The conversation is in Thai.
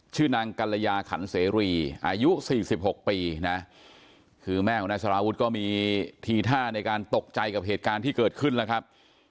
ชื่อนางกัลยาขันเสรีอายุ๔๖ปีนะคือแม่ของนายสารวุฒิก็มีทีท่าในการตกใจกับเหตุการณ์ที่เกิดขึ้นแล้วครับ